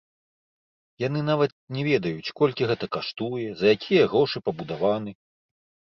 Яны нават не ведаюць, колькі гэта каштуе, за якія грошы пабудаваны.